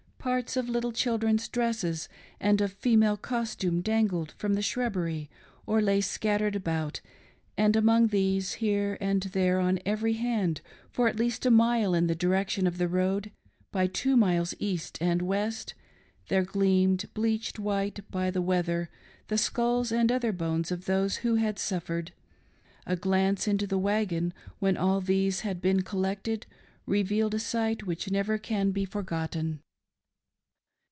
Parts of little children's dresses, and of female costume dangled from the shrubbery, or lay scattered about, and among these, here and there on every hand, for at least a mile in the direction of the road, by two miles east and west, there gleamed, bleached white by the weather, the skulls and other bones of those who had suffered. A glance into the wagon, when all these had been collected, revealed a sight which never can be forgotten.